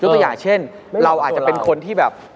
ตัวอย่างเช่นเราอาจจะเป็นคนที่แบบ